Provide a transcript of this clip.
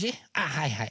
はいはい。